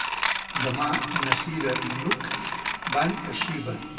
Demà na Cira i n'Hug van a Xiva.